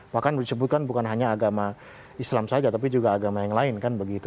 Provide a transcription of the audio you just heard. bahkan disebutkan bukan hanya agama islam saja tapi juga agama yang lain kan begitu